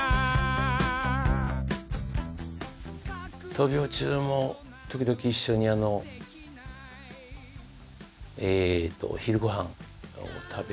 闘病中も時々一緒にあのえっとお昼ご飯を食べに。